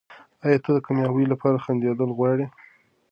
ایا ته د کامیابۍ لپاره خندېدل غواړې؟